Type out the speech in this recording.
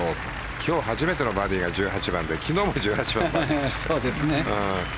今日初めてのバーディーが１８番で昨日も１８番で。